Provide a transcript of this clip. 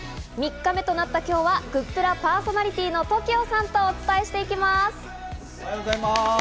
３日目となった今日はグップラパーソナリティーのＴＯＫＩＯさんとお伝えしていきます。